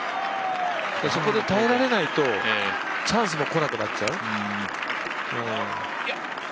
そこで耐えられないとチャンスも来なくなっちゃう。